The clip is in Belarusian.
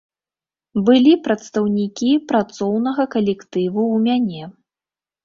Былі прадстаўнікі працоўнага калектыву ў мяне.